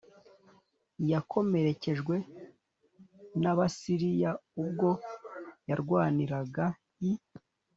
yakomerekejwe n Abasiriya ubwo yarwaniraga i